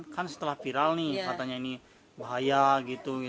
kan setelah viral nih katanya ini bahaya gitu